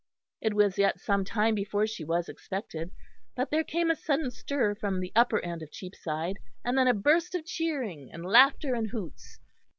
It was yet some time before she was expected; but there came a sudden stir from the upper end of Cheapside, and then a burst of cheering and laughter and hoots.